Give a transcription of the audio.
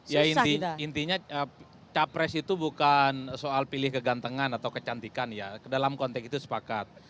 ya intinya capres itu bukan soal pilih kegantengan atau kecantikan ya dalam konteks itu sepakat